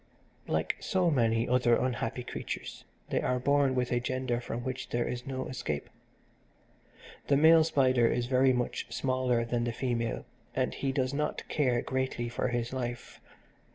Like so many other unhappy creatures they are born with a gender from which there is no escape. The male spider is very much smaller than the female, and he does not care greatly for his life.